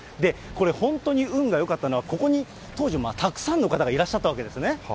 これ、本当に運がよかったのは、ここに当時、たくさんの方がいらっしゃったわけですね。